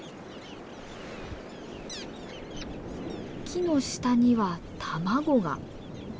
木の下には卵が。